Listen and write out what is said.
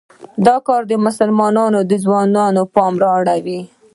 دا کار د مسلمانو ځوانانو پام واړوي.